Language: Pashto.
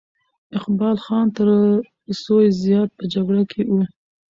اقبال خان تر زوی زیات په جګړه کې وو.